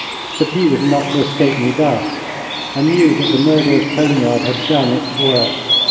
But he was not to escape me thus. I knew that the murderer's poniard had done its work.